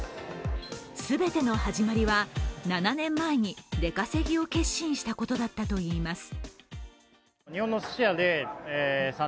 全ての始まりは７年前に出稼ぎを決心したことだったといいます。